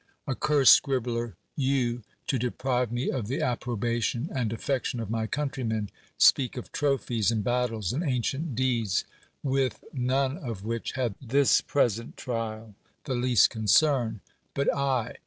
Accursed scribbler ! you, to deprive me of the approbation and affection of my countrymeu, speak of trophies and battles and ancient deeds, with none of which had this present trial th" least concern; but I!